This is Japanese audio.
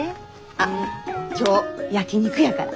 あっ今日焼き肉やから。